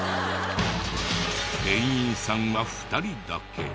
店員さんは２人だけ。